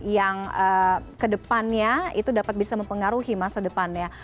yang kedepannya itu dapat bisa mempengaruhi masa depannya